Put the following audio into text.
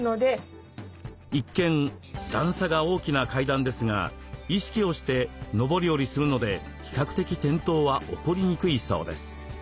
一見段差が大きな階段ですが意識をして上り下りするので比較的転倒は起こりにくいそうです。